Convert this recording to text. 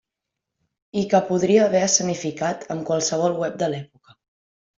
I que podria haver escenificat amb qualsevol web de l'època.